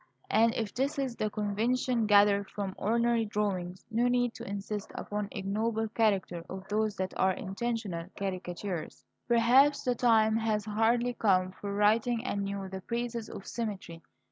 And if this is the conviction gathered from ordinary drawings, no need to insist upon the ignoble character of those that are intentional caricatures. Perhaps the time has hardly come for writing anew the praises of symmetry.